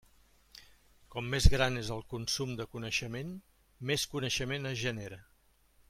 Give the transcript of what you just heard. Com més gran és el consum de coneixement, més coneixement es genera.